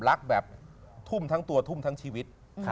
รักแบบทุ่มทั้งตัวทุ่มทั้งชีวิต